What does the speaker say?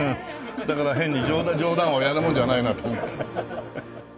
だから変に冗談はやるもんじゃないなと思って。